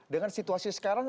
dengan situasi sekarang